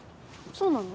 そうなの？